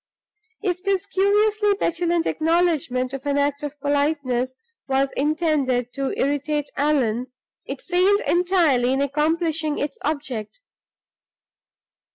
If this curiously petulant acknowledgment of an act of politeness was intended to irritate Allan, it failed entirely in accomplishing its object.